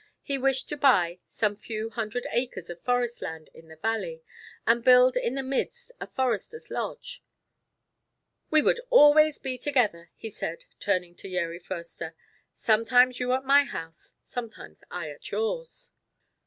He wished to buy some few hundred acres of forest land in the valley, and build in the midst a forester's lodge. "We would always be together," he said turning to Yeri Foerster, "sometimes you at my house, sometimes I at yours."